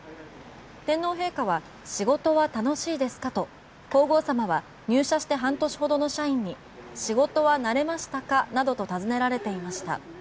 天皇陛下は仕事は楽しいですかと皇后さまは入社して半年ほどの社員に仕事は慣れましたかなどと尋ねられていました。